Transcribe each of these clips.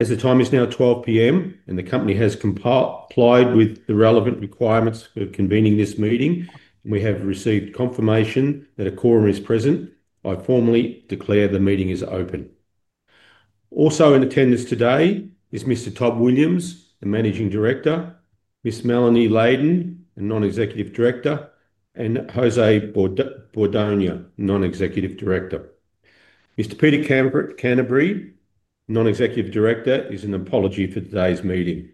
As the time is now 12:00 P.M. and the company has complied with the relevant requirements for convening this meeting, and we have received confirmation that a quorum is present, I formally declare the meeting is open. Also in attendance today is Mr. Todd Williams, the Managing Director; Miss Melanie Layden, a Non-Executive Director; and José Bordogna, a Non-Executive Director. Mr. Peter Canterbury, a Non-Executive Director, is an apology for today's meeting.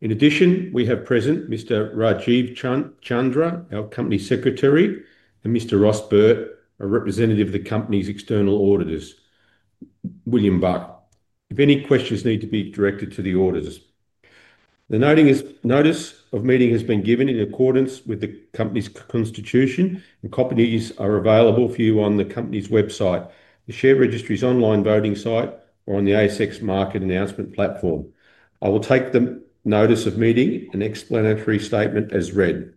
In addition, we have present Mr. Rajeev Chandra, our Company Secretary, and Mr. Ross Burt, a representative of the company's external auditors, William Buck. If any questions need to be directed to the auditors, the notice of meeting has been given in accordance with the company's constitution, and copies are available for you on the company's website, the share registry's online voting site, or on the ASX market announcement platform. I will take the notice of meeting and explanatory statement as read.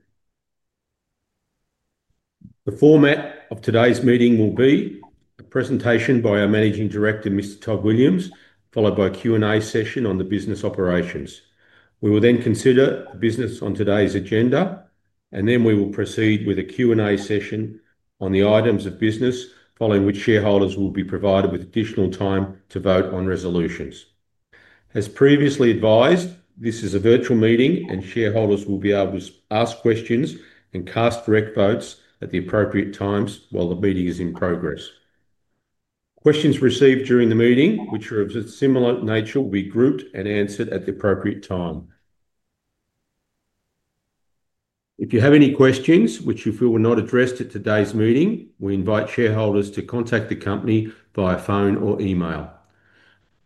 The format of today's meeting will be a presentation by our Managing Director, Mr. Todd Williams, followed by a Q&A session on the business operations. We will then consider the business on today's agenda, and then we will proceed with a Q&A session on the items of business, following which shareholders will be provided with additional time to vote on resolutions. As previously advised, this is a virtual meeting, and shareholders will be able to ask questions and cast direct votes at the appropriate times while the meeting is in progress. Questions received during the meeting, which are of a similar nature, will be grouped and answered at the appropriate time. If you have any questions which you feel were not addressed at today's meeting, we invite shareholders to contact the company via phone or email.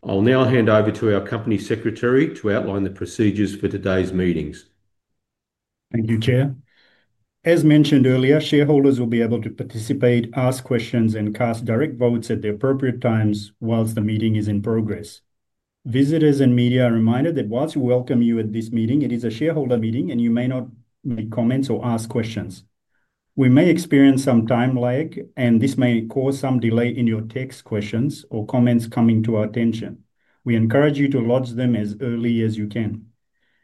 I'll now hand over to our Company Secretary to outline the procedures for today's meetings. Thank you, Chair. As mentioned earlier, shareholders will be able to participate, ask questions, and cast direct votes at the appropriate times whilst the meeting is in progress. Visitors and media are reminded that whilst we welcome you at this meeting, it is a shareholder meeting, and you may not make comments or ask questions. We may experience some time lag, and this may cause some delay in your text questions or comments coming to our attention. We encourage you to lodge them as early as you can.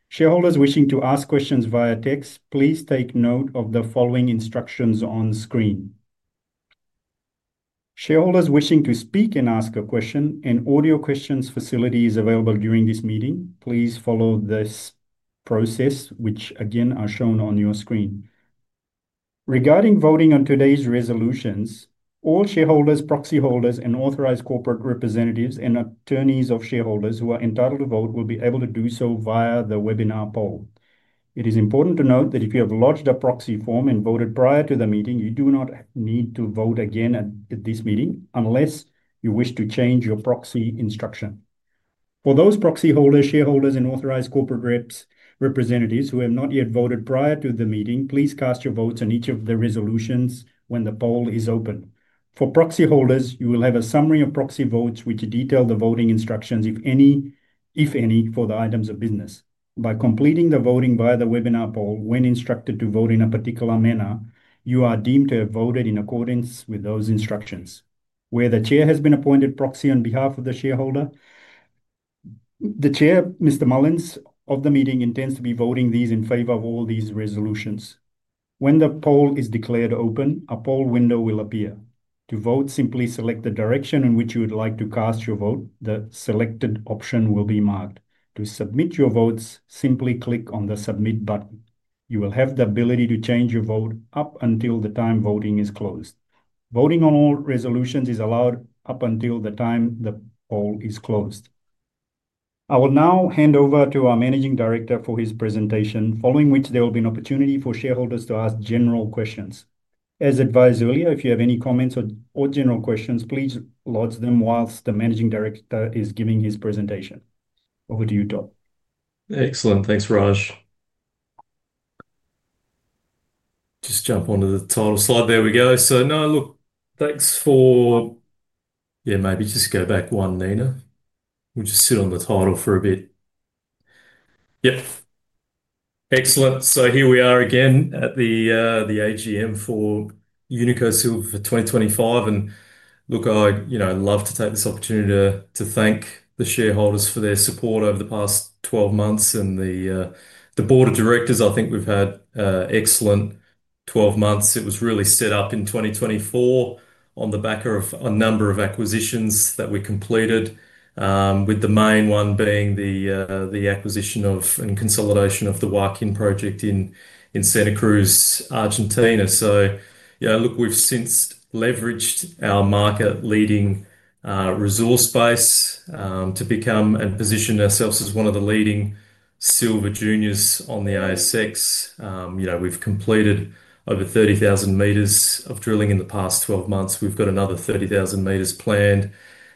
Shareholders wishing to ask questions via text, please take note of the following instructions on screen. Shareholders wishing to speak and ask a question, an audio questions facility is available during this meeting. Please follow this process, which again is shown on your screen. Regarding voting on today's resolutions, all shareholders, proxy holders, and authorized corporate representatives and attorneys of shareholders who are entitled to vote will be able to do so via the webinar poll. It is important to note that if you have lodged a proxy form and voted prior to the meeting, you do not need to vote again at this meeting unless you wish to change your proxy instruction. For those proxy holders, shareholders, and authorized corporate representatives who have not yet voted prior to the meeting, please cast your votes on each of the resolutions when the poll is open. For proxy holders, you will have a summary of proxy votes which detail the voting instructions, if any, for the items of business. By completing the voting via the webinar poll, when instructed to vote in a particular manner, you are deemed to have voted in accordance with those instructions. Where the Chair has been appointed proxy on behalf of the shareholder, the Chair, Mr. Mullens, of the meeting intends to be voting in favor of all these resolutions. When the poll is declared open, a poll window will appear. To vote, simply select the direction in which you would like to cast your vote. The selected option will be marked. To submit your votes, simply click on the submit button. You will have the ability to change your vote up until the time voting is closed. Voting on all resolutions is allowed up until the time the poll is closed. I will now hand over to our Managing Director for his presentation, following which there will be an opportunity for shareholders to ask general questions. As advised earlier, if you have any comments or general questions, please lodge them whilst the Managing Director is giving his presentation. Over to you, Todd. Excellent. Thanks, Raj. Just jump onto the title slide. There we go. No, look, thanks for... Yeah, maybe just go back one, Nina. We'll just sit on the title for a bit. Yep. Excellent. Here we are again at the AGM for Unico Silver for 2025. Look, I'd love to take this opportunity to thank the shareholders for their support over the past 12 months and the Board of Directors. I think we've had an excellent 12 months. It was really set up in 2024 on the back of a number of acquisitions that we completed, with the main one being the acquisition of and consolidation of the Waikin project in Santa Cruz, Argentina. Yeah, look, we've since leveraged our market-leading resource base to become and position ourselves as one of the leading silver juniors on the ASX. We've completed over 30,000 m of drilling in the past 12 months. We've got another 30,000 m planned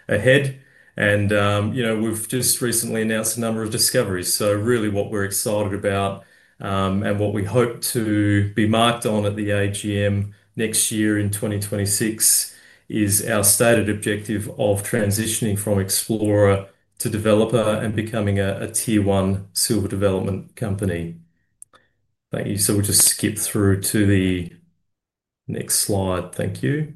ahead. We've just recently announced a number of discoveries. Really, what we're excited about and what we hope to be marked on at the AGM next year in 2026 is our stated objective of transitioning from Explorer to Developer and becoming a Tier 1 silver development company. Thank you. We'll just skip through to the next slide. Thank you.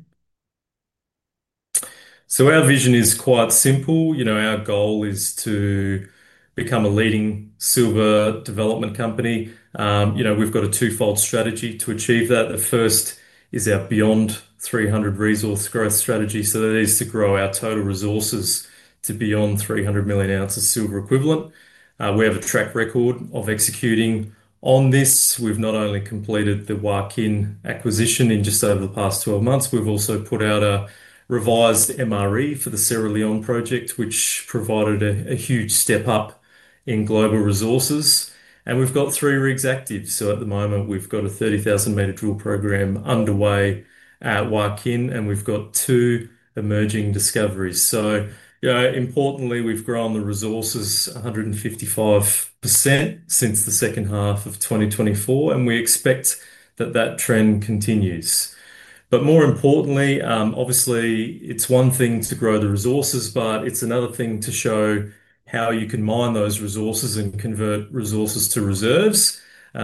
Our vision is quite simple. Our goal is to become a leading silver development company. We've got a twofold strategy to achieve that. The first is our Beyond 300 Resource Growth Strategy. That is to grow our total resources to beyond 300 million oz of silver equivalent. We have a track record of executing on this. We've not only completed the Waikin acquisition in just over the past 12 months, we've also put out a revised MRE for the Cerro León project, which provided a huge step up in global resources. We've got three rigs active. At the moment, we've got a 30,000 m drill program underway at Waikin, and we've got two emerging discoveries. Importantly, we've grown the resources 155% since the second half of 2024, and we expect that that trend continues. More importantly, obviously, it's one thing to grow the resources, but it's another thing to show how you can mine those resources and convert resources to reserves. We've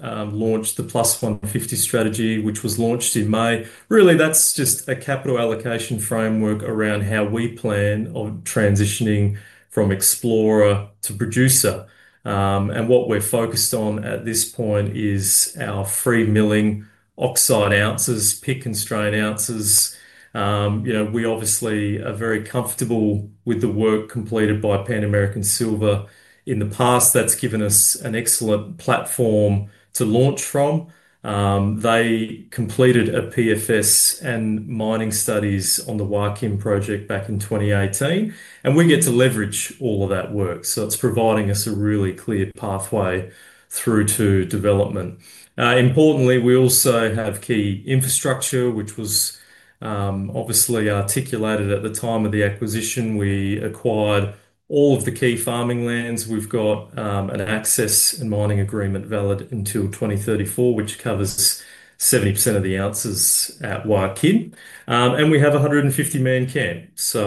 launched the Plus 150 Strategy, which was launched in May. Really, that's just a capital allocation framework around how we plan on transitioning from explorer to producer. What we are focused on at this point is our free milling oxide ounces, pick and strain ounces. We obviously are very comfortable with the work completed by Pan American Silver in the past. That has given us an excellent platform to launch from. They completed a PFS and mining studies on the Waikin project back in 2018, and we get to leverage all of that work. It is providing us a really clear pathway through to development. Importantly, we also have key infrastructure, which was obviously articulated at the time of the acquisition. We acquired all of the key farming lands. We have got an access and mining agreement valid until 2034, which covers 70% of the ounces at Waikin. We have a 150 man camp. We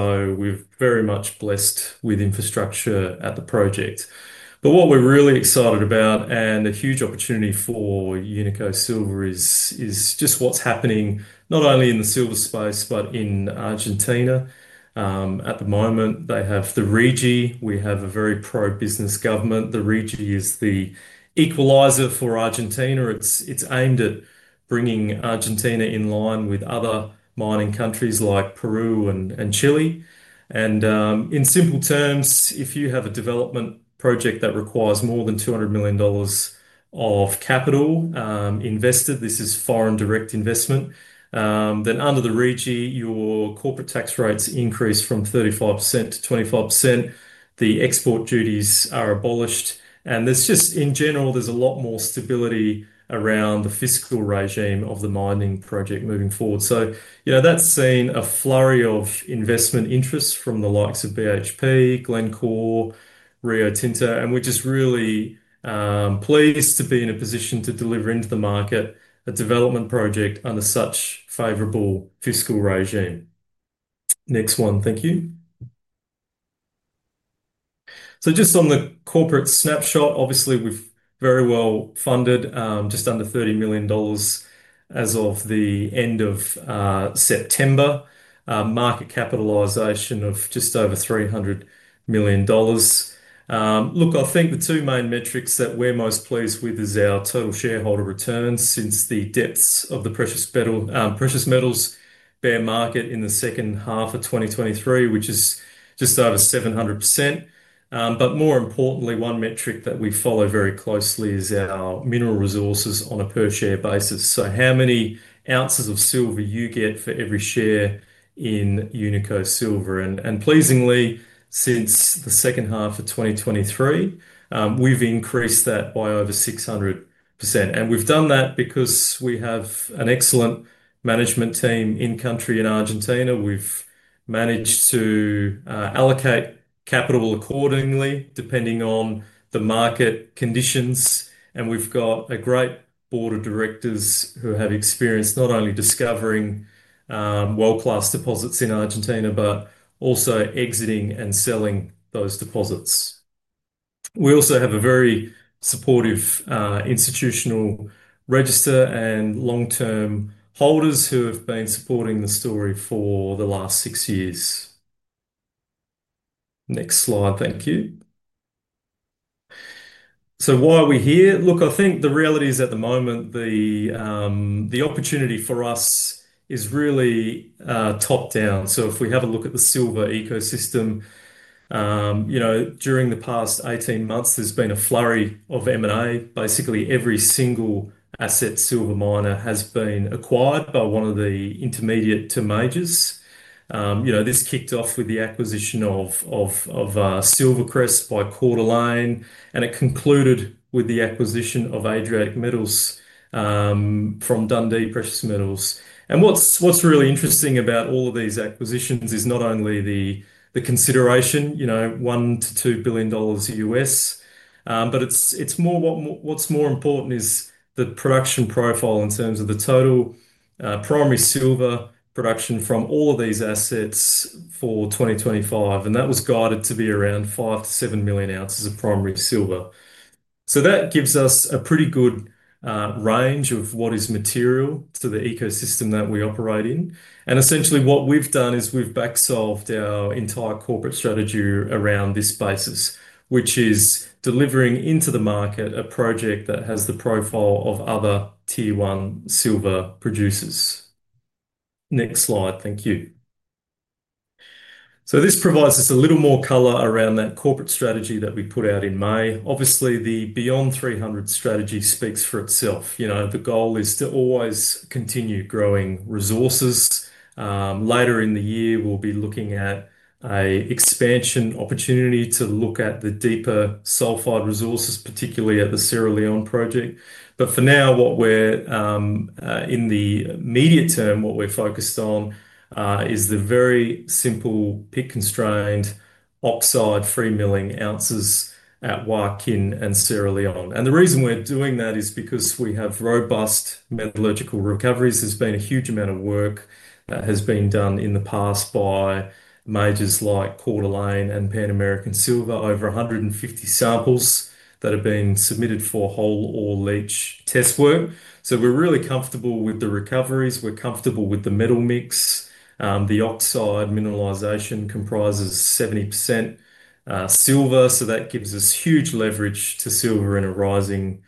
are very much blessed with infrastructure at the project. What we're really excited about and a huge opportunity for Unico Silver is just what's happening not only in the silver space, but in Argentina. At the moment, they have the RIGI. We have a very pro-business government. The RIGI is the equalizer for Argentina. It's aimed at bringing Argentina in line with other mining countries like Peru and Chile. In simple terms, if you have a development project that requires more than $200 million of capital invested, this is foreign direct investment, then under the RIGI, your corporate tax rates decrease from 35% to 25%. The export duties are abolished. In general, there's a lot more stability around the fiscal regime of the mining project moving forward. That's seen a flurry of investment interest from the likes of BHP, Glencore, Rio Tinto. We are just really pleased to be in a position to deliver into the market a development project under such favorable fiscal regime. Next one. Thank you. Just on the corporate snapshot, obviously, we are very well funded, just under 30 million dollars as of the end of September, market capitalization of just over 300 million dollars. Look, I think the two main metrics that we are most pleased with are our total shareholder returns since the depths of the precious metals bear market in the second half of 2023, which is just over 700%. More importantly, one metric that we follow very closely is our mineral resources on a per-share basis. How many ounces of silver you get for every share in Unico Silver. Pleasingly, since the second half of 2023, we have increased that by over 600%. We have done that because we have an excellent management team in-country in Argentina. We have managed to allocate capital accordingly depending on the market conditions. We have a great Board of Directors who have experience not only discovering world-class deposits in Argentina, but also exiting and selling those deposits. We also have a very supportive institutional register and long-term holders who have been supporting the story for the last six years. Next slide. Thank you. Why are we here? I think the reality is at the moment, the opportunity for us is really top-down. If we have a look at the silver ecosystem, during the past 18 months, there has been a flurry of M&A. Basically, every single asset silver miner has been acquired by one of the intermediate to majors. This kicked off with the acquisition of SilverCrest by Coeur Mining, and it concluded with the acquisition of Adriatic Metals from Dundee Precious Metals. What's really interesting about all of these acquisitions is not only the consideration, $1 billion-$2 billion, but what's more important is the production profile in terms of the total primary silver production from all of these assets for 2025. That was guided to be around 5 million oz-7 million oz of primary silver. That gives us a pretty good range of what is material to the ecosystem that we operate in. Essentially, what we've done is we've back-solved our entire corporate strategy around this basis, which is delivering into the market a project that has the profile of other Tier 1 silver producers. Next slide. Thank you. This provides us a little more color around that corporate strategy that we put out in May. Obviously, the Beyond 300 strategy speaks for itself. The goal is to always continue growing resources. Later in the year, we'll be looking at an expansion opportunity to look at the deeper sulfide resources, particularly at the Cerro León project. For now, in the immediate term, what we're focused on is the very simple pit-constrained oxide free milling oz at Waikin and Cerro León. The reason we're doing that is because we have robust metallurgical recoveries. There's been a huge amount of work that has been done in the past by majors like Pan American Silver, over 150 samples that have been submitted for whole ore leach test work. We're really comfortable with the recoveries. We're comfortable with the metal mix. The oxide mineralization comprises 70% silver, so that gives us huge leverage to silver in a rising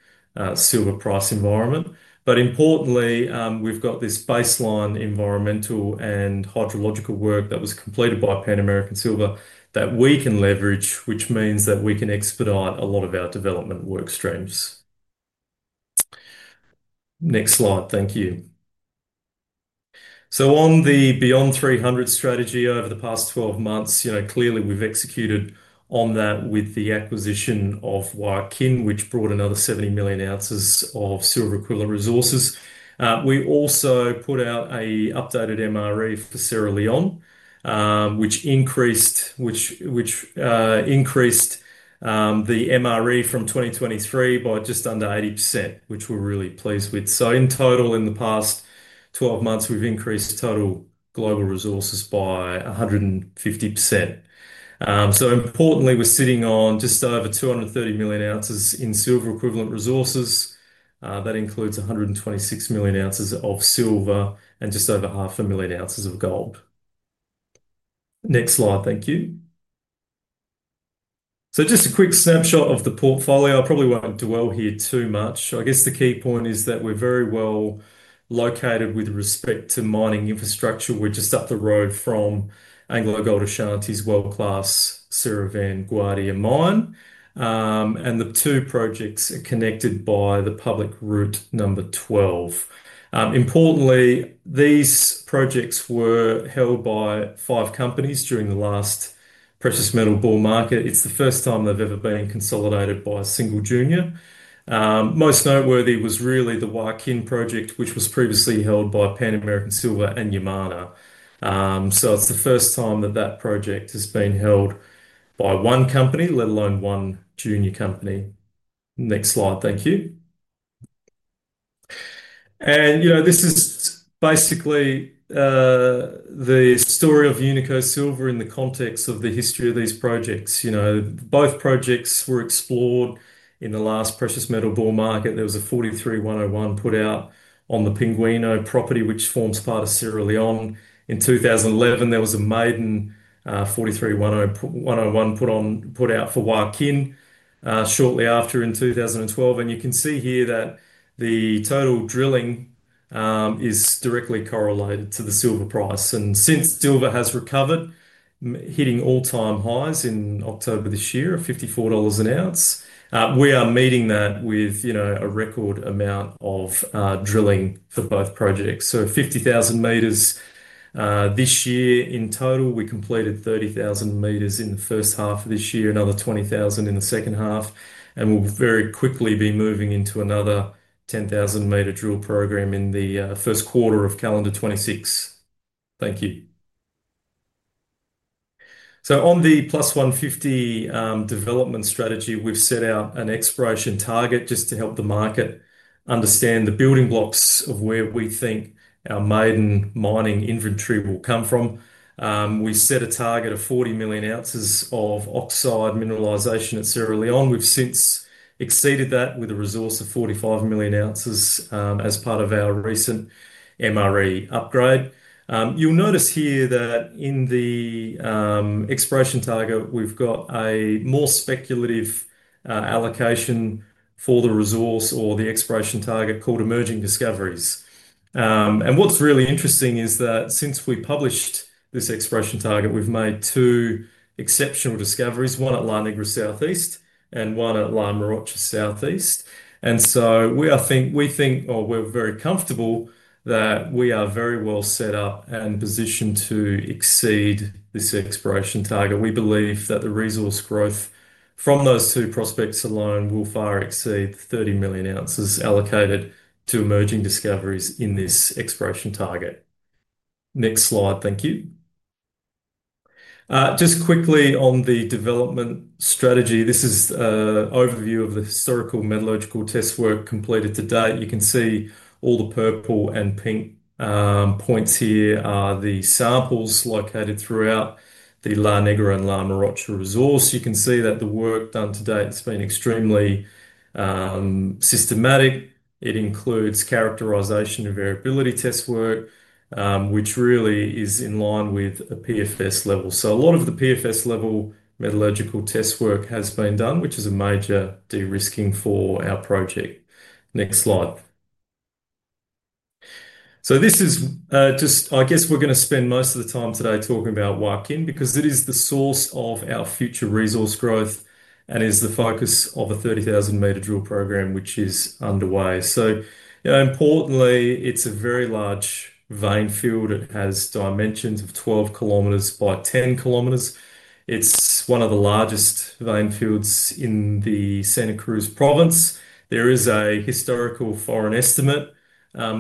silver price environment. Importantly, we've got this baseline environmental and hydrological work that was completed by Pan American Silver that we can leverage, which means that we can expedite a lot of our development work streams. Next slide. Thank you. On the Beyond 300 strategy over the past 12 months, clearly, we've executed on that with the acquisition of Waikin, which brought another 70 million oz of silver equivalent resources. We also put out an updated MRE for Cerro León, which increased the MRE from 2023 by just under 80%, which we're really pleased with. In total, in the past 12 months, we've increased total global resources by 150%. Importantly, we're sitting on just over 230 million oz in silver-equivalent resources. That includes 126 million oz of silver and just over 500,000 oz of gold. Next slide. Thank you. Just a quick snapshot of the portfolio. I probably will not dwell here too much. I guess the key point is that we are very well located with respect to mining infrastructure. We are just up the road from AngloGold Ashanti's world-class Cerro Vanguardia mine. The two projects are connected by the public route number 12. Importantly, these projects were held by five companies during the last precious metal bull market. It is the first time they have ever been consolidated by a single junior. Most noteworthy was really the Waikin project, which was previously held by Pan American Silver and Yamana Gold. It is the first time that that project has been held by one company, let alone one junior company. Next slide. Thank you. This is basically the story of Unico Silver in the context of the history of these projects. Both projects were explored in the last precious metal bull market. There was a NI 43-101 put out on the Pinguino property, which forms part of Cerro León. In 2011, there was a maiden NI 43-101 put out for Waikin shortly after in 2012. You can see here that the total drilling is directly correlated to the silver price. Since silver has recovered, hitting all-time highs in October this year of $54 an ounce, we are meeting that with a record amount of drilling for both projects. 50,000 m this year in total. We completed 30,000 m in the first half of this year, another 20,000 in the second half. We will very quickly be moving into another 10,000 m drill program in the first quarter of calendar 2026. Thank you. On the Plus 150 development strategy, we've set out an exploration target just to help the market understand the building blocks of where we think our maiden mining inventory will come from. We set a target of 40 million oz of oxide mineralization at Cerro León. We've since exceeded that with a resource of 45 million oz as part of our recent MRE upgrade. You'll notice here that in the exploration target, we've got a more speculative allocation for the resource or the exploration target called emerging discoveries. What's really interesting is that since we published this exploration target, we've made two exceptional discoveries, one at La Negra Southeast and one at Lynemarocha Southeast. We think, or we're very comfortable that we are very well set up and positioned to exceed this exploration target. We believe that the resource growth from those two prospects alone will far exceed 30 million oz allocated to emerging discoveries in this exploration target. Next slide. Thank you. Just quickly on the development strategy, this is an overview of the historical metallurgical test work completed to date. You can see all the purple and pink points here are the samples located throughout the La Negra and Lynemarocha resource. You can see that the work done to date has been extremely systematic. It includes characterization and variability test work, which really is in line with a PFS level. A lot of the PFS level metallurgical test work has been done, which is a major de-risking for our project. Next slide. This is just, I guess we're going to spend most of the time today talking about Waikin because it is the source of our future resource growth and is the focus of a 30,000 m drill program, which is underway. Importantly, it's a very large vein field. It has dimensions of 12 km by 10 km. It's one of the largest vein fields in the Santa Cruz Province. There is a historical foreign estimate,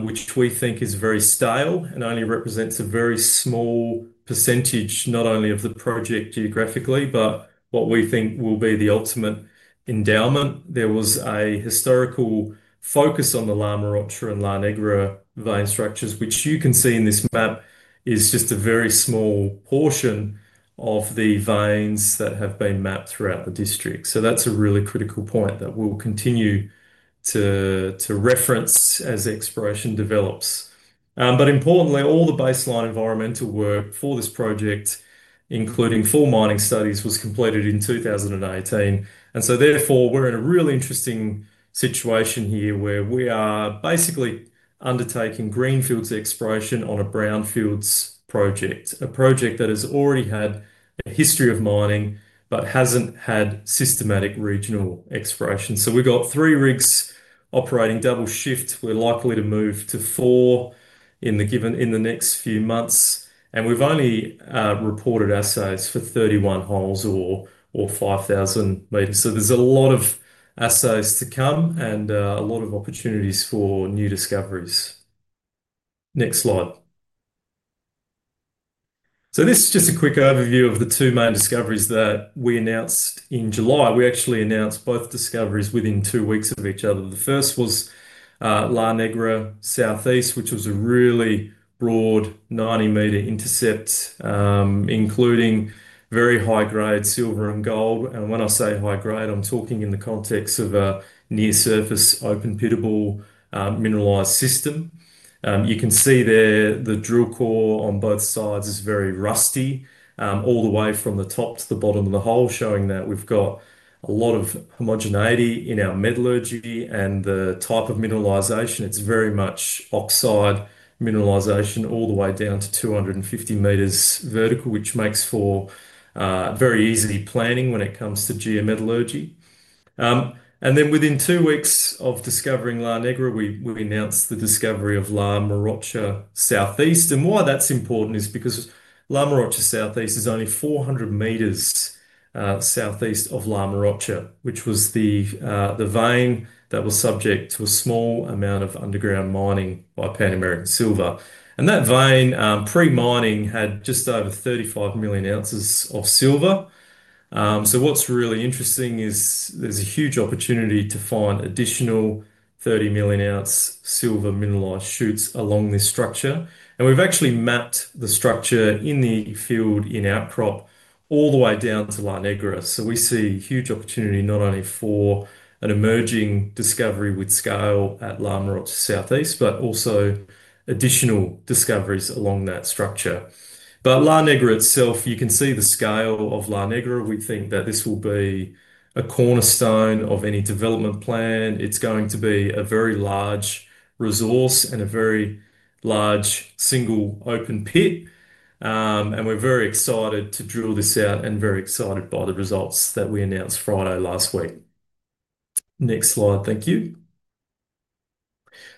which we think is very stale and only represents a very small percentage, not only of the project geographically, but what we think will be the ultimate endowment. There was a historical focus on the Lynemarocha and La Negra vein structures, which you can see in this map is just a very small portion of the veins that have been mapped throughout the district. That's a really critical point that we'll continue to reference as exploration develops. Importantly, all the baseline environmental work for this project, including full mining studies, was completed in 2018. Therefore, we're in a really interesting situation here where we are basically undertaking greenfields exploration on a brownfields project, a project that has already had a history of mining but hasn't had systematic regional exploration. We've got three rigs operating double shift. We're likely to move to four in the next few months. We've only reported assays for 31 holes or 5,000 m. There's a lot of assays to come and a lot of opportunities for new discoveries. Next slide. This is just a quick overview of the two main discoveries that we announced in July. We actually announced both discoveries within two weeks of each other. The first was Lynegra Southeast, which was a really broad 90 m intercept, including very high-grade silver and gold. When I say high-grade, I'm talking in the context of a near-surface open-pittable mineralized system. You can see there the drill core on both sides is very rusty all the way from the top to the bottom of the hole, showing that we've got a lot of homogeneity in our metallurgy and the type of mineralization. It's very much oxide mineralization all the way down to 250 m vertical, which makes for very easy planning when it comes to geometallurgy. Within two weeks of discovering Lynegra, we announced the discovery of Lynemarocha Southeast. Why that's important is because Lynemarocha Southeast is only 400 m southeast of Lynemarocha, which was the vein that was subject to a small amount of underground mining by Pan American Silver. That vein, pre-mining, had just over 35 million oz of silver. What's really interesting is there's a huge opportunity to find additional 30 million oz silver mineralized chutes along this structure. We've actually mapped the structure in the field in outcrop all the way down to Lynegra. We see huge opportunity not only for an emerging discovery with scale at Lynemarocha Southeast, but also additional discoveries along that structure. Lynegra itself, you can see the scale of Lynegra. We think that this will be a cornerstone of any development plan. It's going to be a very large resource and a very large single open pit. We're very excited to drill this out and very excited by the results that we announced Friday last week. Next slide. Thank you.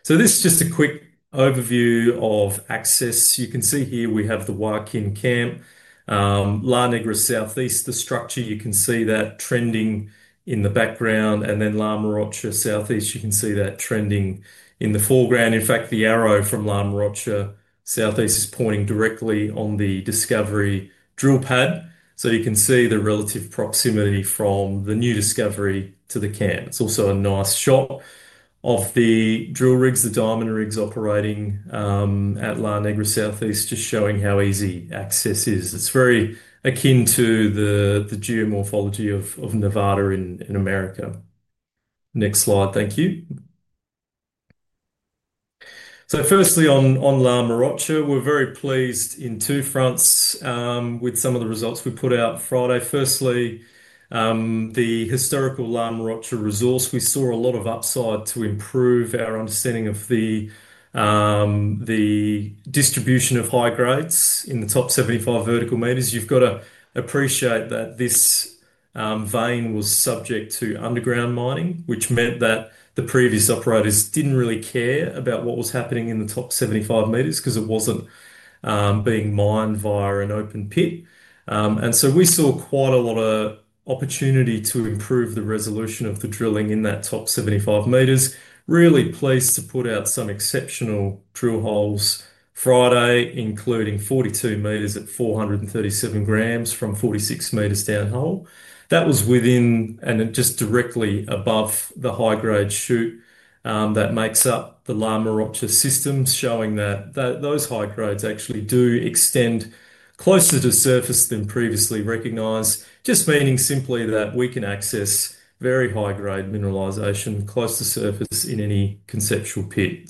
This is just a quick overview of access. You can see here we have the Waikin camp, Lynegra Southeast, the structure. You can see that trending in the background. Then Lynemarocha Southeast, you can see that trending in the foreground. In fact, the arrow from Lynemarocha Southeast is pointing directly on the discovery drill pad. You can see the relative proximity from the new discovery to the camp. It is also a nice shot of the drill rigs, the diamond rigs operating at Lynegra Southeast, just showing how easy access is. It is very akin to the geomorphology of Nevada in America. Next slide. Thank you. Firstly, on Lynemarocha, we are very pleased in two fronts with some of the results we put out Friday. Firstly, the historical Lynemarocha resource. We saw a lot of upside to improve our understanding of the distribution of high grades in the top 75 vertical meters. You've got to appreciate that this vein was subject to underground mining, which meant that the previous operators didn't really care about what was happening in the top 75 m because it wasn't being mined via an open pit. We saw quite a lot of opportunity to improve the resolution of the drilling in that top 75 m. Really pleased to put out some exceptional drill holes Friday, including 42 m at 437 g from 46 m down hole. That was within and just directly above the high-grade chute that makes up the Lynemarocha system, showing that those high grades actually do extend closer to surface than previously recognized, just meaning simply that we can access very high-grade mineralization close to surface in any conceptual pit.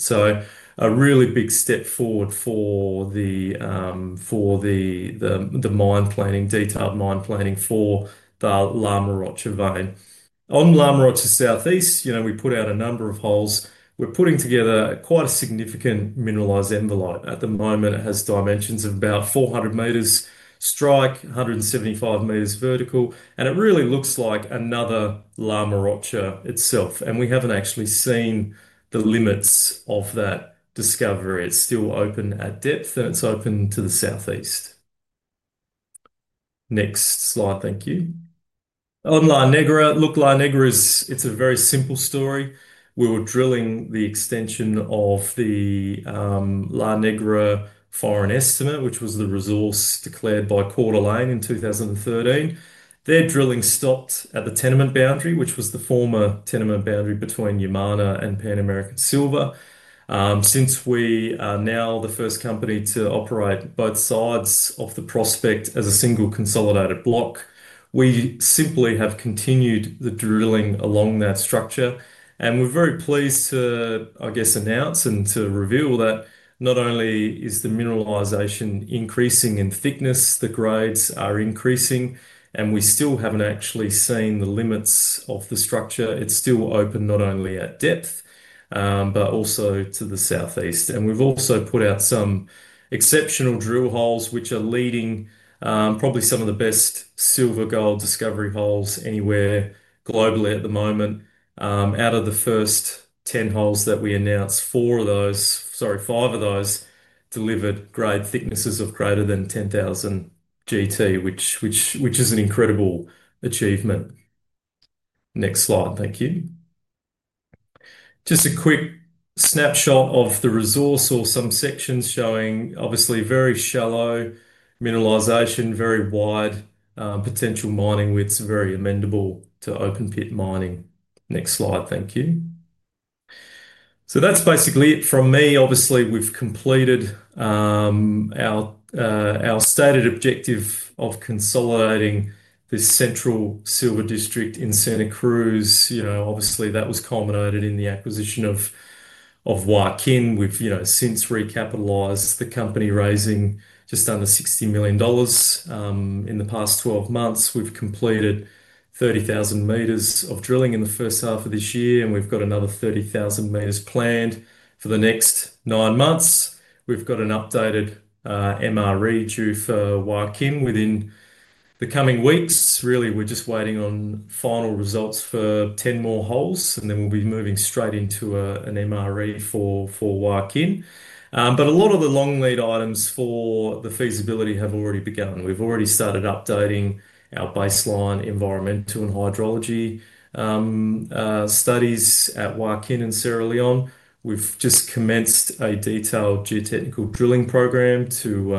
A really big step forward for the mine planning, detailed mine planning for the Lynemarocha vein. On Lynemarocha Southeast, we put out a number of holes. We're putting together quite a significant mineralized envelope. At the moment, it has dimensions of about 400 m strike, 175 m vertical. It really looks like another Lynemarocha itself. We haven't actually seen the limits of that discovery. It's still open at depth, and it's open to the southeast. Next slide. Thank you. On Lynegra, look, Lynegra is a very simple story. We were drilling the extension of the Lynegra foreign estimate, which was the resource declared by Cordalane in 2013. Their drilling stopped at the tenement boundary, which was the former tenement boundary between Yamana and Pan American Silver. Since we are now the first company to operate both sides of the prospect as a single consolidated block, we simply have continued the drilling along that structure. We are very pleased to, I guess, announce and to reveal that not only is the mineralization increasing in thickness, the grades are increasing, and we still have not actually seen the limits of the structure. It is still open not only at depth, but also to the southeast. We have also put out some exceptional drill holes, which are leading probably some of the best silver-gold discovery holes anywhere globally at the moment. Out of the first 10 holes that we announced, five of those delivered grade thicknesses of greater than 10,000 GT, which is an incredible achievement. Next slide. Thank you. Just a quick snapshot of the resource or some sections showing obviously very shallow mineralization, very wide potential mining widths, very amenable to open-pit mining. Next slide. Thank you. That is basically it from me. Obviously, we've completed our stated objective of consolidating this central silver district in Santa Cruz. Obviously, that was culminated in the acquisition of Waikin. We've since recapitalized the company raising just under 60 million dollars in the past 12 months. We've completed 30,000 m of drilling in the first half of this year, and we've got another 30,000 m planned for the next nine months. We've got an updated MRE due for Waikin within the coming weeks. Really, we're just waiting on final results for 10 more holes, and then we'll be moving straight into an MRE for Waikin. A lot of the long lead items for the feasibility have already begun. We've already started updating our baseline environmental and hydrology studies at Waikin and Cerro León. We've just commenced a detailed geotechnical drilling program to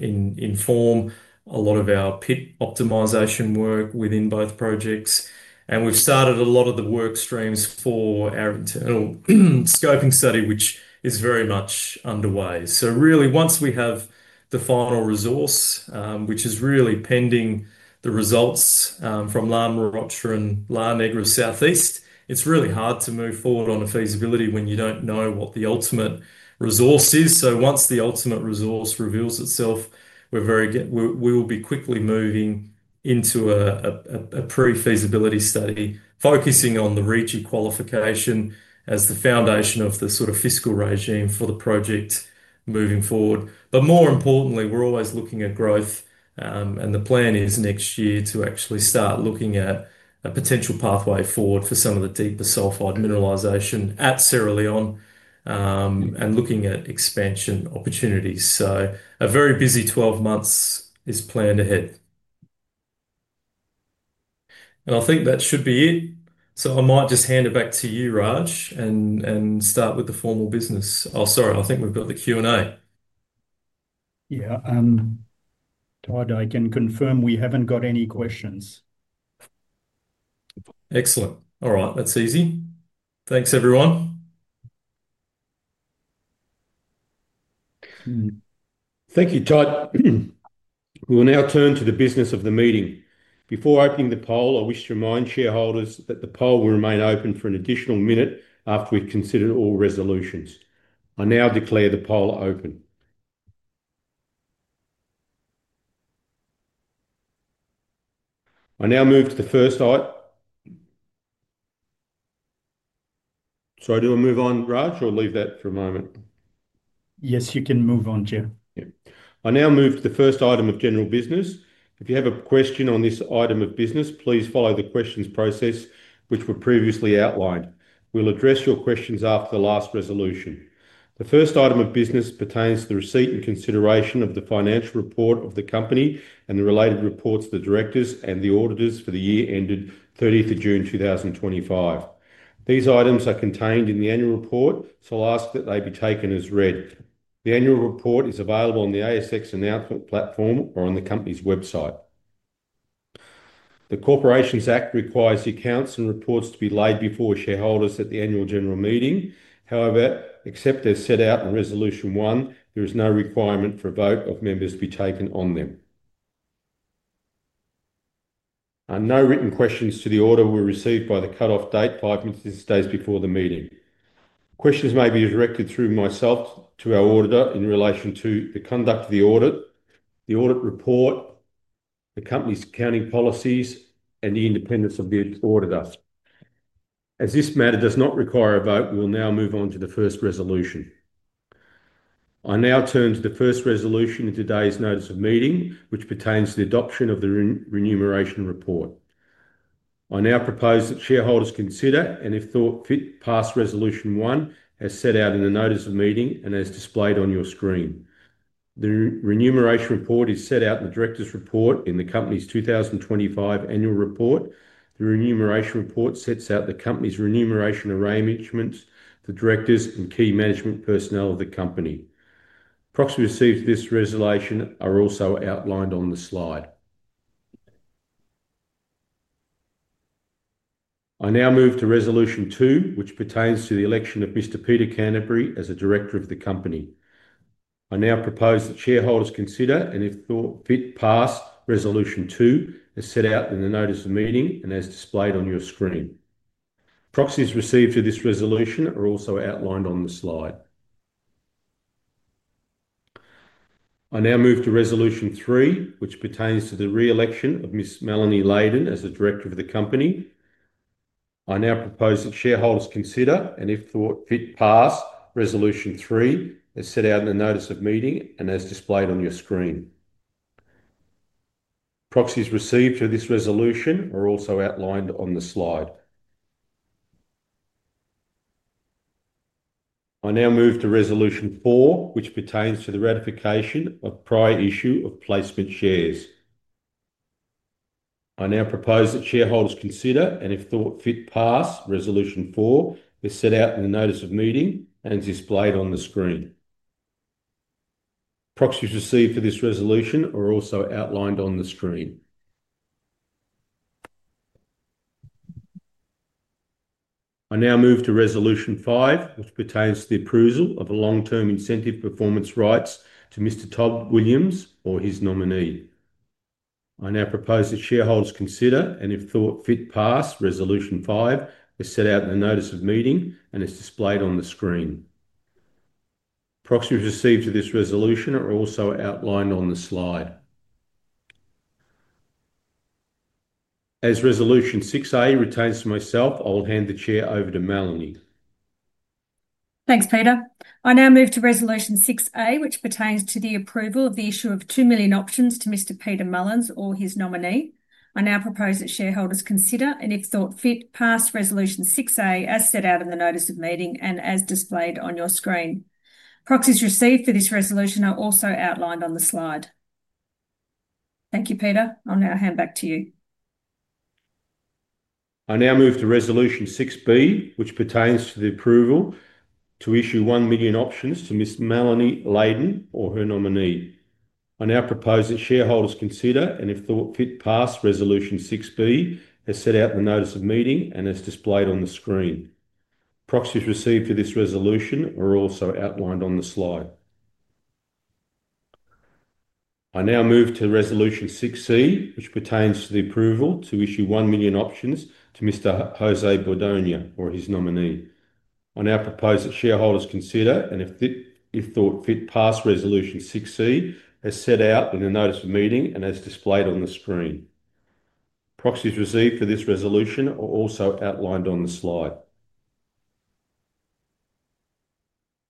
inform a lot of our pit optimization work within both projects. We have started a lot of the work streams for our internal scoping study, which is very much underway. Really, once we have the final resource, which is pending the results from Lynemarocha and La Negra Southeast, it is hard to move forward on a feasibility when you do not know what the ultimate resource is. Once the ultimate resource reveals itself, we will be quickly moving into a pre-feasibility study, focusing on the RIGI qualification as the foundation of the sort of fiscal regime for the project moving forward. More importantly, we are always looking at growth. The plan is next year to actually start looking at a potential pathway forward for some of the deeper sulfide mineralization at Cerro León and looking at expansion opportunities. A very busy 12 months is planned ahead. I think that should be it. So I might just hand it back to you, Raj, and start with the formal business. Oh, sorry, I think we've got the Q&A. Yeah. Todd, I can confirm we haven't got any questions. Excellent. All right. That's easy. Thanks, everyone. Thank you, Todd. We will now turn to the business of the meeting. Before opening the poll, I wish to remind shareholders that the poll will remain open for an additional minute after we've considered all resolutions. I now declare the poll open. I now move to the first item. So do I move on, Raj, or leave that for a moment? Yes, you can move on, Jim. I now move to the first item of general business. If you have a question on this item of business, please follow the questions process, which were previously outlined. We'll address your questions after the last resolution. The first item of business pertains to the receipt and consideration of the financial report of the company and the related reports to the directors and the auditors for the year ended 30th of June 2025. These items are contained in the annual report, so I'll ask that they be taken as read. The annual report is available on the ASX announcement platform or on the company's website. The Corporations Act requires the accounts and reports to be laid before shareholders at the annual general meeting. However, except as set out in Resolution One, there is no requirement for a vote of members to be taken on them. No written questions to the audit were received by the cutoff date, five days before the meeting. Questions may be directed through myself to our auditor in relation to the conduct of the audit, the audit report, the company's accounting policies, and the independence of the auditor. As this matter does not require a vote, we will now move on to the first resolution. I now turn to the first resolution in today's notice of meeting, which pertains to the adoption of the remuneration report. I now propose that shareholders consider and, if thought fit, pass Resolution One as set out in the notice of meeting and as displayed on your screen. The remuneration report is set out in the director's report in the company's 2025 annual report. The remuneration report sets out the company's remuneration arrangements, the directors, and key management personnel of the company. Proxies received to this resolution are also outlined on the slide. I now move to Resolution Two, which pertains to the election of Mr. Peter Canterbury as a director of the company. I now propose that shareholders consider and, if thought fit, pass Resolution Two as set out in the notice of meeting and as displayed on your screen. Proxies received to this resolution are also outlined on the slide. I now move to Resolution Three, which pertains to the re-election of Ms. Melanie Layden as a director of the company. I now propose that shareholders consider and, if thought fit, pass Resolution Three as set out in the notice of meeting and as displayed on your screen. Proxies received to this resolution are also outlined on the slide. I now move to Resolution Four, which pertains to the ratification of prior issue of placement shares. I now propose that shareholders consider and, if thought fit, pass Resolution Four as set out in the notice of meeting and displayed on the screen. Proxies received for this resolution are also outlined on the screen. I now move to Resolution Five, which pertains to the appraisal of long-term incentive performance rights to Mr. Todd Williams or his nominee. I now propose that shareholders consider and, if thought fit, pass Resolution Five as set out in the notice of meeting and as displayed on the screen. Proxies received to this resolution are also outlined on the slide. As Resolution Six A retains to myself, I will hand the chair over to Melanie. Thanks, Peter. I now move to Resolution Six A, which pertains to the approval of the issue of 2 million options to Mr. Peter Mullens or his nominee. I now propose that shareholders consider and, if thought fit, pass Resolution Six A as set out in the notice of meeting and as displayed on your screen. Proxies received for this resolution are also outlined on the slide. Thank you, Peter. I'll now hand back to you. I now move to Resolution Six B, which pertains to the approval to issue 1 million options to Ms. Melanie Leydin or her nominee. I now propose that shareholders consider and, if thought fit, pass Resolution Six B as set out in the notice of meeting and as displayed on the screen. Proxies received to this resolution are also outlined on the slide. I now move to Resolution Six C, which pertains to the approval to issue 1 million options to Mr. José Bordogna or his nominee. I now propose that shareholders consider and, if thought fit, pass Resolution Six C as set out in the notice of meeting and as displayed on the screen. Proxies received for this resolution are also outlined on the slide. I now move to Resolution Six D,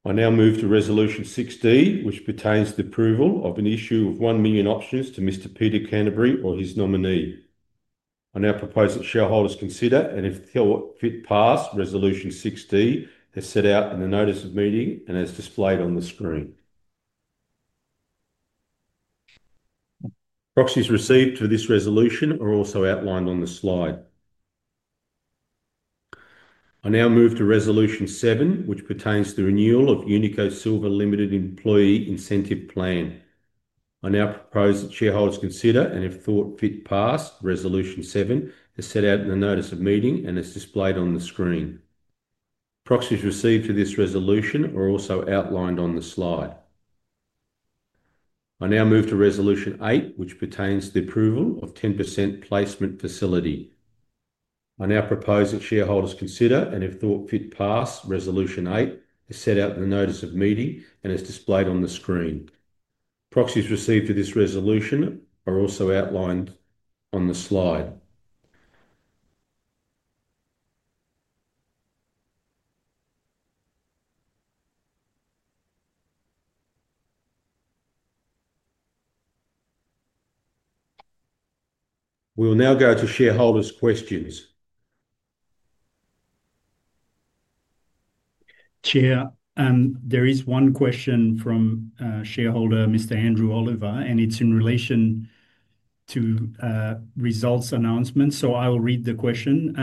which pertains to the approval of an issue of 1 million options to Mr. Peter Canterbury or his nominee. I now propose that shareholders consider and, if thought fit, pass Resolution Six D as set out in the notice of meeting and as displayed on the screen. Proxies received to this resolution are also outlined on the slide. I now move to Resolution Seven, which pertains to the renewal of Unico Silver Limited Employee Incentive Plan. I now propose that shareholders consider and, if thought fit, pass Resolution Seven as set out in the notice of meeting and as displayed on the screen. Proxies received to this resolution are also outlined on the slide. I now move to Resolution Eight, which pertains to the approval of 10% placement facility. I now propose that shareholders consider and, if thought fit, pass Resolution Eight as set out in the notice of meeting and as displayed on the screen. Proxies received to this resolution are also outlined on the slide. We will now go to shareholders' questions. Chair, there is one question from shareholder Mr. Andrew Oliver, and it's in relation to results announcements. So I will read the question.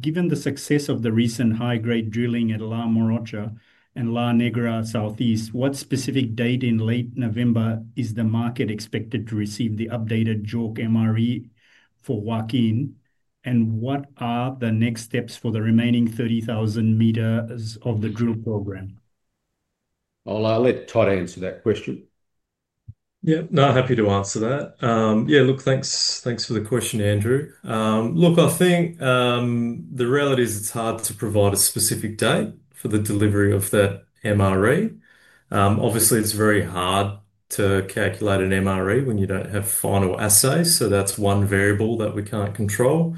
Given the success of the recent high-grade drilling at Lynemarocha and La Negra Southeast, what specific date in late November is the market expected to receive the updated JORC MRE for Waikin? And what are the next steps for the remaining 30,000 m of the drill program? I'll let Todd answer that question. Yeah, no, happy to answer that. Yeah, look, thanks for the question, Andrew. Look, I think the reality is it's hard to provide a specific date for the delivery of that MRE. Obviously, it's very hard to calculate an MRE when you don't have final assays. That's one variable that we can't control.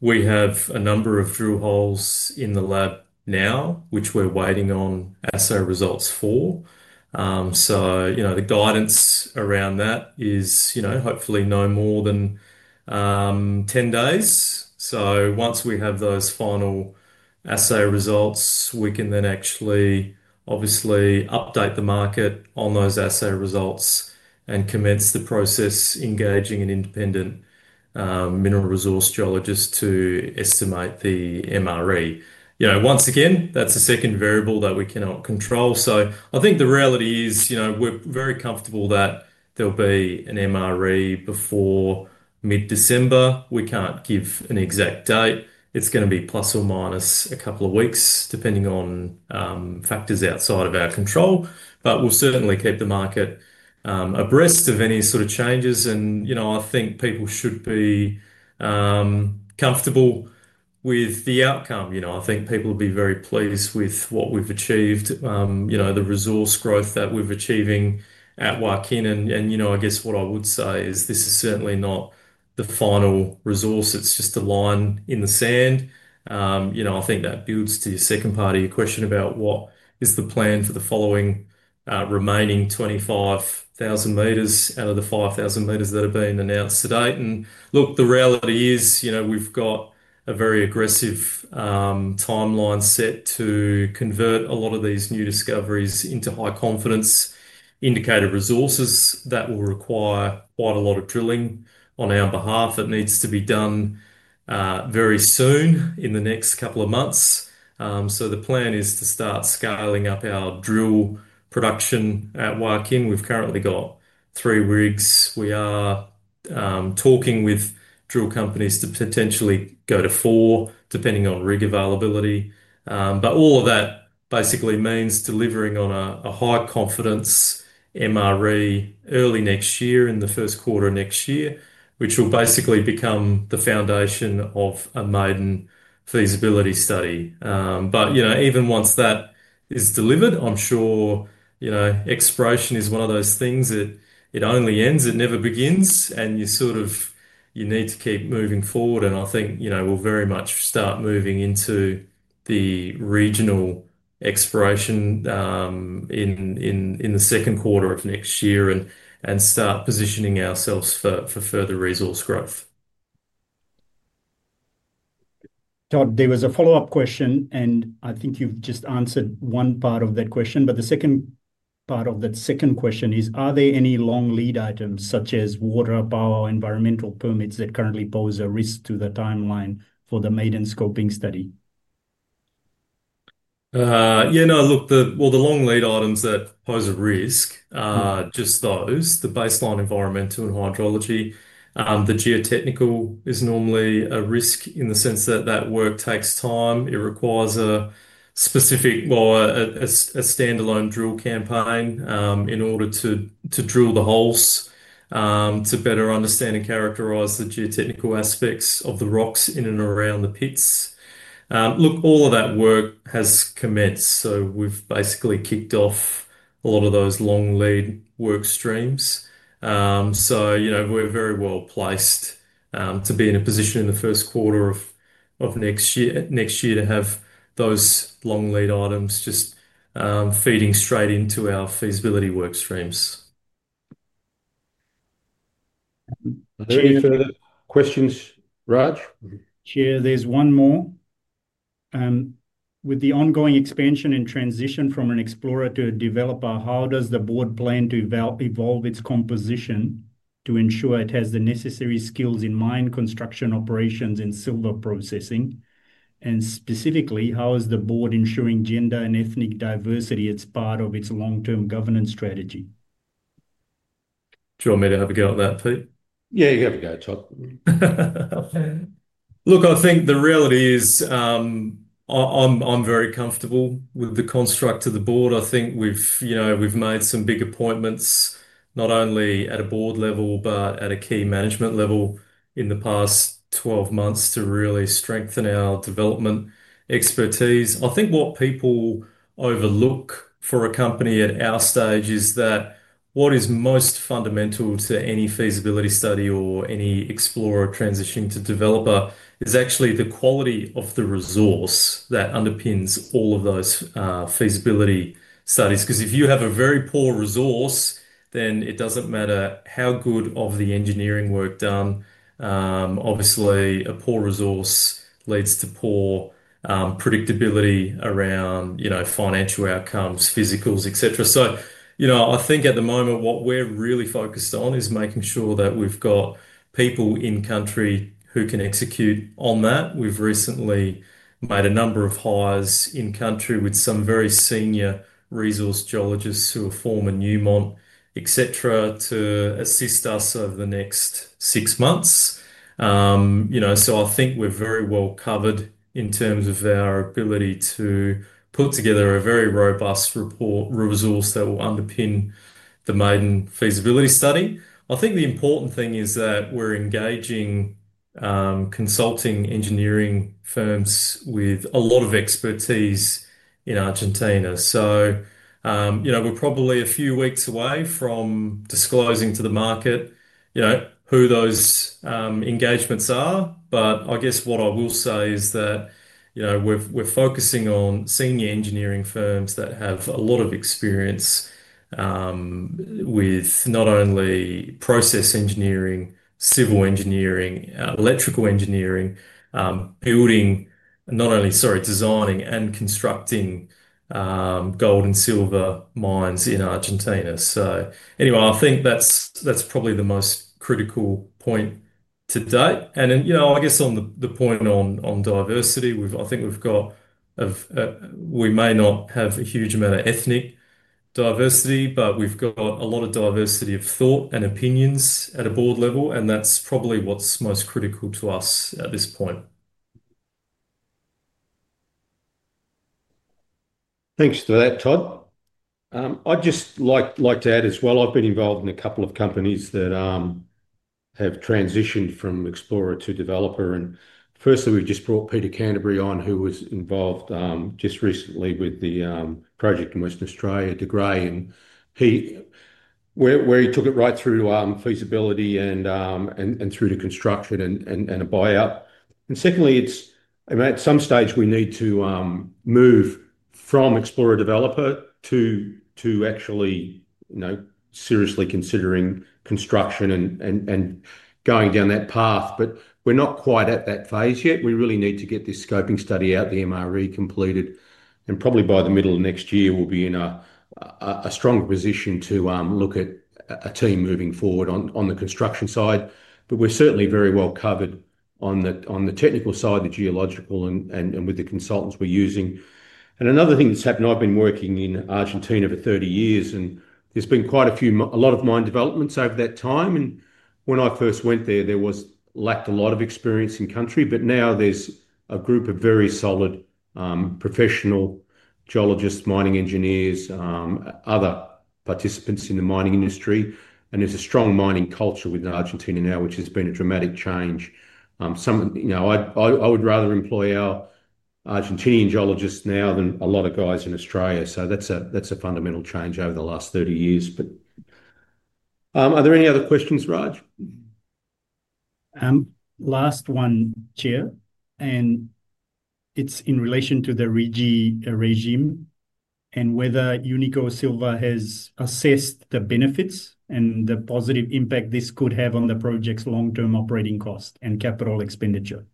We have a number of drill holes in the lab now, which we're waiting on assay results for. The guidance around that is hopefully no more than 10 days. Once we have those final assay results, we can then actually obviously update the market on those assay results and commence the process, engaging an independent mineral resource geologist to estimate the MRE. Once again, that's a second variable that we cannot control. I think the reality is we're very comfortable that there'll be an MRE before mid-December. We can't give an exact date. It's going to be plus or minus a couple of weeks, depending on factors outside of our control. We will certainly keep the market abreast of any sort of changes. I think people should be comfortable with the outcome. I think people will be very pleased with what we've achieved, the resource growth that we're achieving at Waikin. I guess what I would say is this is certainly not the final resource. It's just a line in the sand. I think that builds to your second part of your question about what is the plan for the following remaining 25,000 m out of the 5,000 m that have been announced to date. Look, the reality is we've got a very aggressive timeline set to convert a lot of these new discoveries into high-confidence indicator resources that will require quite a lot of drilling on our behalf. It needs to be done very soon in the next couple of months. The plan is to start scaling up our drill production at Waikin. We've currently got three rigs. We are talking with drill companies to potentially go to four, depending on rig availability. All of that basically means delivering on a high-confidence MRE early next year, in the first quarter of next year, which will basically become the foundation of a maiden feasibility study. Even once that is delivered, I'm sure exploration is one of those things that it only ends, it never begins, and you sort of need to keep moving forward. I think we'll very much start moving into the regional exploration in the second quarter of next year and start positioning ourselves for further resource growth. Todd, there was a follow-up question, and I think you've just answered one part of that question. The second part of that second question is, are there any long lead items, such as water, power, environmental permits, that currently pose a risk to the timeline for the maiden scoping study? Yeah, no, look, the long lead items that pose a risk, just those, the baseline environmental and hydrology, the geotechnical is normally a risk in the sense that that work takes time. It requires a specific, well, a standalone drill campaign in order to drill the holes to better understand and characterize the geotechnical aspects of the rocks in and around the pits. Look, all of that work has commenced. We've basically kicked off a lot of those long lead work streams. We're very well placed to be in a position in the first quarter of next year to have those long lead items just feeding straight into our feasibility work streams. Any further questions, Raj? Chair, there's one more. With the ongoing expansion and transition from an explorer to a developer, how does the Board plan to evolve its composition to ensure it has the necessary skills in mine, construction, operations, and silver processing? Specifically, how is the Board ensuring gender and ethnic diversity as part of its long-term governance strategy? Do you want me to have a go at that, Pete? Yeah, you have a go, Todd. Look, I think the reality is I'm very comfortable with the construct of the Board. I think we've made some big appointments, not only at a Board level but at a key management level in the past 12 months to really strengthen our development expertise. I think what people overlook for a company at our stage is that what is most fundamental to any feasibility study or any explorer transitioning to developer is actually the quality of the resource that underpins all of those feasibility studies. Because if you have a very poor resource, then it doesn't matter how good the engineering work is done. Obviously, a poor resource leads to poor predictability around financial outcomes, physicals, etc. I think at the moment, what we're really focused on is making sure that we've got people in country who can execute on that. We've recently made a number of hires in country with some very senior resource geologists who are former Newmont, etc., to assist us over the next six months. I think we're very well covered in terms of our ability to put together a very robust report resource that will underpin the maiden feasibility study. I think the important thing is that we're engaging consulting engineering firms with a lot of expertise in Argentina. We're probably a few weeks away from disclosing to the market who those engagements are. I guess what I will say is that we're focusing on senior engineering firms that have a lot of experience with not only process engineering, civil engineering, electrical engineering, building, not only, sorry, designing and constructing gold and silver mines in Argentina. I think that's probably the most critical point to date. I guess on the point on diversity, I think we've got, we may not have a huge amount of ethnic diversity, but we've got a lot of diversity of thought and opinions at a Board level. That's probably what's most critical to us at this point. Thanks for that, Todd. I'd just like to add as well, I've been involved in a couple of companies that have transitioned from explorer to developer. Firstly, we've just brought Peter Canterbury on, who was involved just recently with the project in Western Australia, Degray, where he took it right through feasibility and through to construction and a buyout. Secondly, at some stage, we need to move from explorer developer to actually seriously considering construction and going down that path. We're not quite at that phase yet. We really need to get this scoping study out, the MRE completed. Probably by the middle of next year, we'll be in a strong position to look at a team moving forward on the construction side. We are certainly very well covered on the technical side, the geological, and with the consultants we're using. Another thing that's happened, I've been working in Argentina for 30 years, and there's been quite a lot of mine developments over that time. When I first went there, there was a lack of experience in country. Now there's a group of very solid professional geologists, mining engineers, other participants in the mining industry. There's a strong mining culture within Argentina now, which has been a dramatic change. I would rather employ our Argentinian geologists now than a lot of guys in Australia. That's a fundamental change over the last 30 years. Are there any other questions, Raj? Last one, Chair. It's in relation to the regime and whether Unico Silver has assessed the benefits and the positive impact this could have on the project's long-term operating cost and capital expenditure.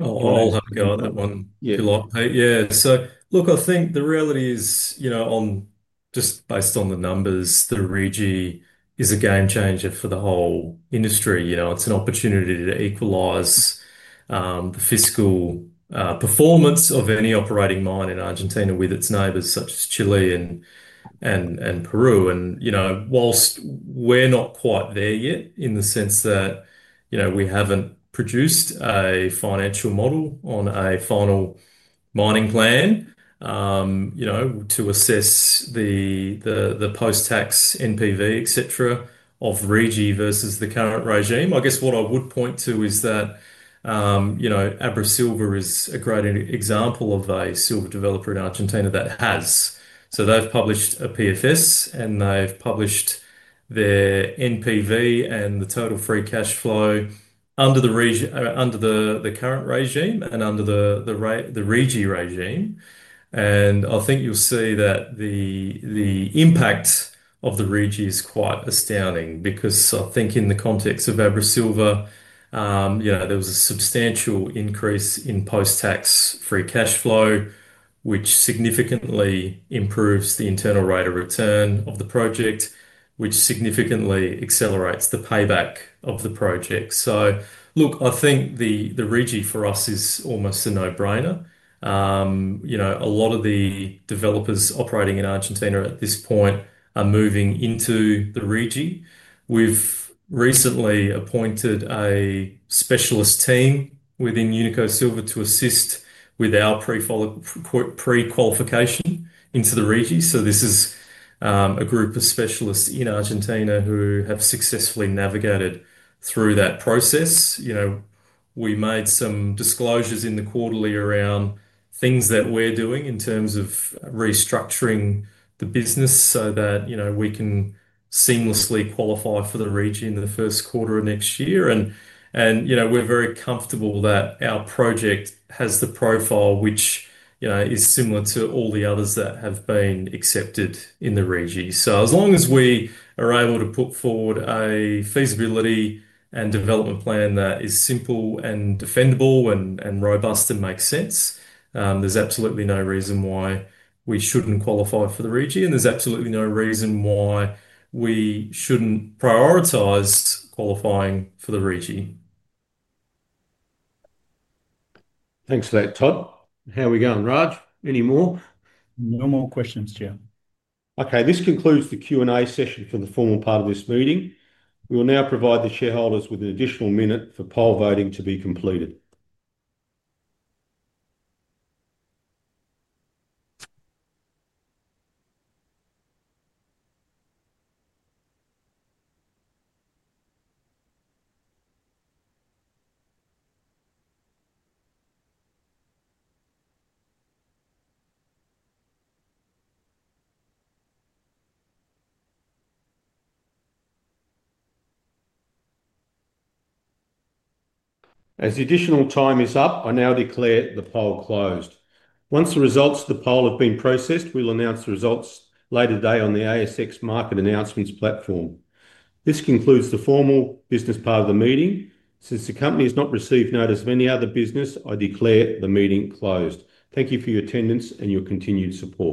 Oh, God, that one's too long. Yeah. I think the reality is, just based on the numbers, the regime is a game changer for the whole industry. It's an opportunity to equalize the fiscal performance of any operating mine in Argentina with its neighbors such as Chile and Peru. Whilst we're not quite there yet in the sense that we haven't produced a financial model on a final mining plan to assess the post-tax NPV, etc., of regime versus the current regime, I guess what I would point to is that AbraSilver is a great example of a silver developer in Argentina that has. They've published a PFS, and they've published their NPV and the total free cash flow under the current regime and under the regime regime. I think you'll see that the impact of the regime is quite astounding because I think in the context of AbraSilver, there was a substantial increase in post-tax free cash flow, which significantly improves the internal rate of return of the project, which significantly accelerates the payback of the project. I think the regime for us is almost a no-brainer. A lot of the developers operating in Argentina at this point are moving into the regime. We've recently appointed a specialist team within Unico Silver to assist with our pre-qualification into the regime. This is a group of specialists in Argentina who have successfully navigated through that process. We made some disclosures in the quarterly around things that we're doing in terms of restructuring the business so that we can seamlessly qualify for the regime in the first quarter of next year. We're very comfortable that our project has the profile which is similar to all the others that have been accepted in the regime. As long as we are able to put forward a feasibility and development plan that is simple and defendable and robust and makes sense, there's absolutely no reason why we shouldn't qualify for the regime. There is absolutely no reason why we shouldn't prioritize qualifying for the regime. Thanks for that, Todd. How are we going, Raj? Any more? No more questions, Chair. Okay. This concludes the Q&A session for the formal part of this meeting. We will now provide the shareholders with an additional minute for poll voting to be completed. As the additional time is up, I now declare the poll closed. Once the results of the poll have been processed, we will announce the results later today on the ASX Market Announcements platform. This concludes the formal business part of the meeting. Since the company has not received notice of any other business, I declare the meeting closed. Thank you for your attendance and your continued support.